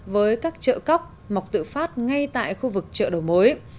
với các chợ cóc mọc tự phát ngay tại khu vực chợ đầu mối